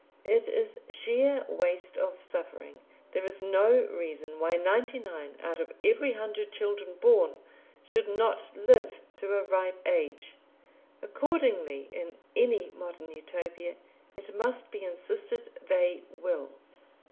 It is sheer waste of suffering. There is no reason why ninety nine out of every hundred children born should not live to a ripe age. Accordingly, in any Modern Utopia, it must be insisted they will.